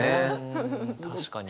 確かに。